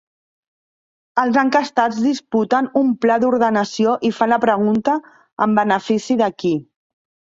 Els enquestats disputen un pla d'ordenació i fan la pregunta "en benefici de qui".